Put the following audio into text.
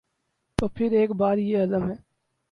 تو پھر ایک بار یہ عزم ہے